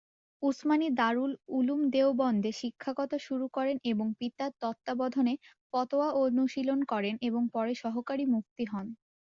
উসমানি দারুল উলুম দেওবন্দে শিক্ষকতা শুরু করেন এবং পিতার তত্ত্বাবধানে "ফতোয়া" অনুশীলন করেন এবং পরে সহকারী মুফতি হন।